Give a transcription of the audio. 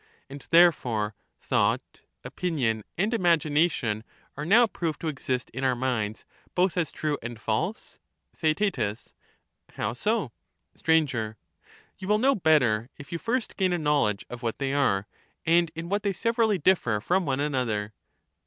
And therefore thought, opinion, and imagination are now proved to exist in our minds both as true and false. Theaet. How so ? Str. You will know better if you first gain a knowledge of what they are, and in what they severally differ from one another.